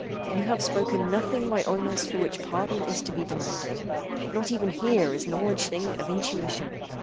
AGATHOS. You have spoken nothing, my Oinos, for which pardon is to be demanded. Not even here is knowledge a thing of intuition.